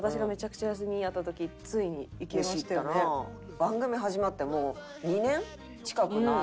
番組始まってもう２年近くになって１回も。